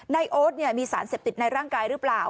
โอ๊ตมีสารเสพติดในร่างกายหรือเปล่า